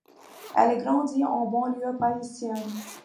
Elle grandit en banlieue parisienne.